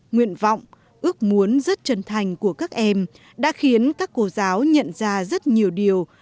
nguyện vọng ước muốn rất chân thành của các em đã khiến các cô giáo nhận ra rất nhiều điều